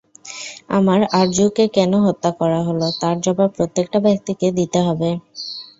আমার আরজুকে কেন হত্যা করা হলো, তার জবাব প্রত্যেকটা ব্যক্তিকে দিতে হবে।